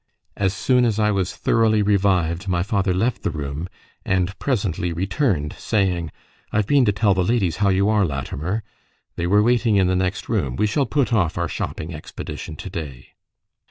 As soon as I was thoroughly revived, my father left the room, and presently returned, saying "I've been to tell the ladies how you are, Latimer. They were waiting in the next room. We shall put off our shopping expedition to day."